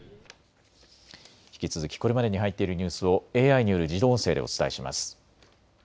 引き続きこれまでに入っているニュースをＡＩによる自動音声でお伝えします。